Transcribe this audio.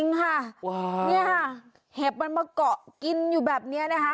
นี่ค่ะเห็บมันมาเกาะกินอยู่แบบนี้นะคะ